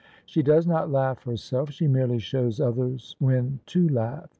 She does not laugh herself; she merely shows others when to laugh.